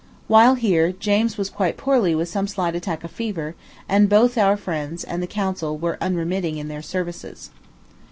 While here, James was quite poorly with some slight attack of fever; and both our friends and the consul were unremitting in their services.